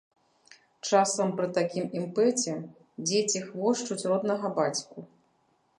Часам пры такім імпэце дзеці хвошчуць роднага бацьку.